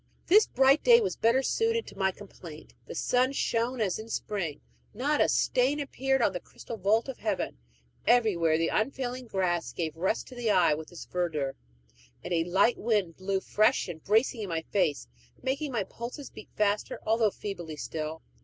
This bright day was better suited to my complaint. The sun shone as in spring; not a stain appeared on the crystal vault of heaven; everywhere the unfailing grass gave rest to the eye with its verdure; and a light wind blew fresh and bracing in my face, making my pulses beat faster, although feebly still.